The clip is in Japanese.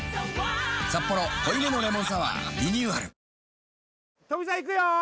「サッポロ濃いめのレモンサワー」リニューアルいい？